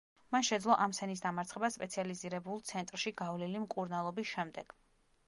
მან შეძლო ამ სენის დამარცხება სპეციალიზირებულ ცენტრში გავლილი მკურნალობის შემდეგ.